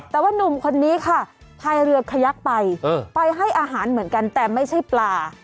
แต่ว่านุ่มคนนี้ค่ะพายเรือขยักไปไปให้อาหารเหมือนกันแต่ไม่ใช่ปลา